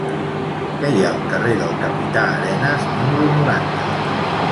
Què hi ha al carrer del Capità Arenas número noranta?